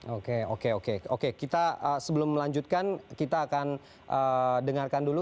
oke oke oke oke kita sebelum melanjutkan kita akan dengarkan dulu